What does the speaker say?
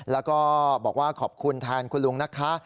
แล้วก็บอกว่าขอบคุณแทนคุณลุงนะคะ